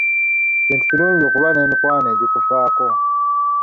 Kintu kirungi okuba n'emikwano egikufaako.